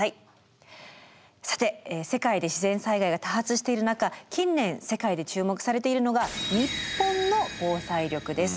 さて世界で自然災害が多発している中近年世界で注目されているのが日本の防災力です。